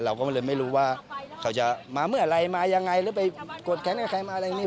เราก็เลยไม่รู้ว่าเขาจะมาเมื่อไหร่มายังไงหรือไปกดแขนกับใครมาอะไรอย่างนี้